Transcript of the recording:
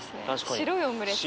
白いオムレツ。